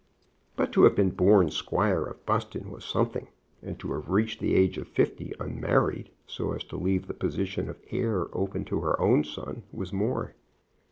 But to have been born Squire of Buston was something, and to have reached the age of fifty unmarried, so as to leave the position of heir open to her own son, was more.